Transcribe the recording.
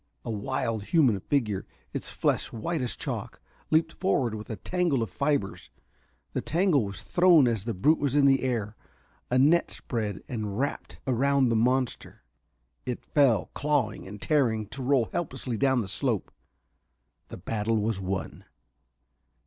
A wild human figure, its flesh white as chalk, leaped forward with a tangle of fibers. The tangle was thrown as the brute was in air. A net spread and wrapped around the monster. It fell, clawing and tearing, to roll helplessly down the slope. The battle was won.